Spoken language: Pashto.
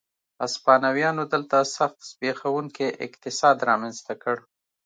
هسپانویانو دلته سخت زبېښونکی اقتصاد رامنځته کړ.